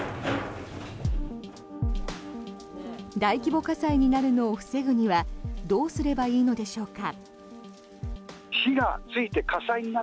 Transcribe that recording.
大規模火災になるのを防ぐにはどうすればいいのでしょうか。